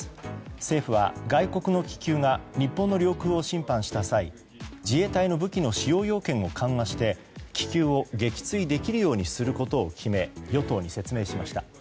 政府は外国の気球が日本の領空を侵犯した際自衛隊の武器の使用要件を緩和して気球を撃墜できるようにすることを決め与党に説明しました。